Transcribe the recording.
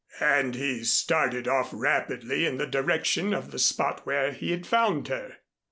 and he started off rapidly in the direction of the spot where he had found her.